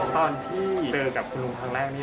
ตอนที่เจอกับคุณลุงครั้งแรกนี่